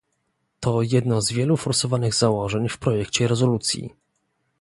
To jedno z wielu forsowanych założeń w projekcie rezolucji